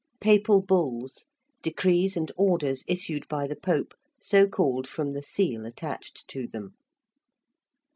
~Papal Bulls~: decrees and orders issued by the Pope, so called from the seal attached to them.